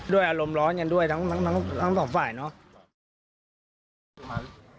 อารมณ์ร้อนกันด้วยทั้งสองฝ่ายเนาะ